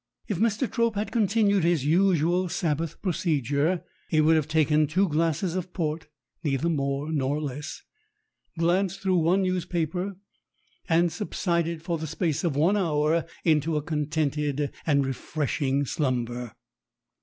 If Mr. Trope had continued his usual Sabbath pro cedure, he would have taken two glasses of port, neither more nor less, glanced through one newspaper, and subsided for the space of one hour into a contented and refreshing slumber.